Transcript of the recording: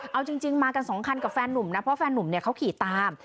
เอาจริงมากันสองคันกับแฟนหนุ่มนะเพราะแฟนนุ่มเนี่ยเขาขี่ตาม